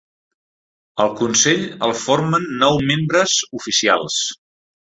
El consell el formen nou membres oficials.